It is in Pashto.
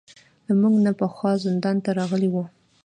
له موږ نه پخوا زندان ته راغلي وو.